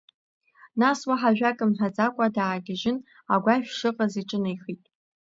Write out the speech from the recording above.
Нас уаҳа ажәак мҳәаӡакәа даагьежьын, агәашә шыҟаз, иҿынеихеит.